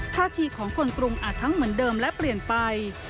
ท่าทีของคนกรุงอาจทั้งเหมือนเดิมและเปลี่ยนไป